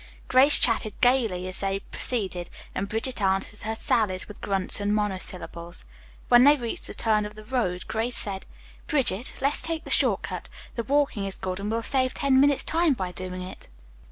Grace chatted gayly as they proceeded and Bridget answered her sallies with grunts and monosyllables. When they reached the turn of the road Grace said: "Bridget, let's take the short cut. The walking is good and we'll save ten minutes' time by doing it."